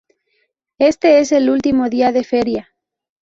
Este es el último día de feria.